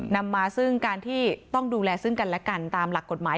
นำมาซึ่งการที่ต้องดูแลซึ่งกันและกันตามหลักกฎหมาย